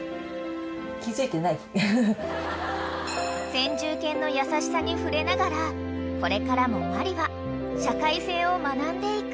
［先住犬の優しさに触れながらこれからもマリは社会性を学んでいく］